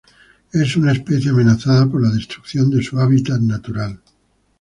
Es una especie amenazada por la destrucción de su hábitat natural.